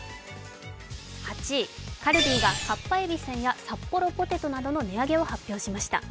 ８位、カルビーがかっぱえびせんやサッポロポテトなどの値上げを発表しました。